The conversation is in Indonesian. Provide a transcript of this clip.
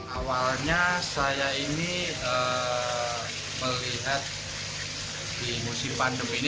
awalnya saya ini melihat di musim pandemi ini